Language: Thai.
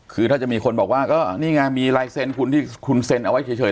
คือถ้าจะมีคนบอกว่าก็นี่ไงมีลายเซ็นคุณที่คุณเซ็นเอาไว้เฉย